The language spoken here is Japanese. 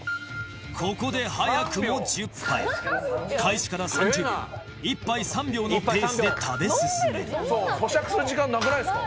ここで早くも１０杯開始から３０秒１杯３秒のペースで食べ進める咀嚼する時間なくないですか？